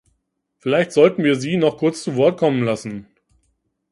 Vielleicht sollten wir sie noch kurz zu Wort kommen lassen.